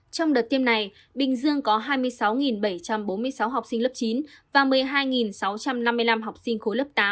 trong đợt tiêm này bình dương có hai mươi sáu bảy trăm bốn mươi sáu học sinh lớp chín và một mươi hai sáu trăm năm mươi năm học sinh khối lớp tám